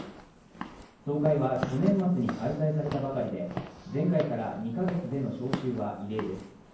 総会は去年末に開催されたばかりで前回から２か月での招集は異例です。